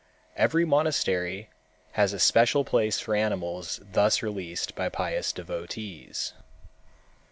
Every monastery has a special place for animals thus released by pious devotees.